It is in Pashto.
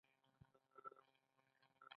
زکات د مال پاکوالی دی